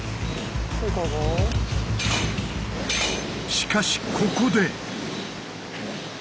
しかしここで。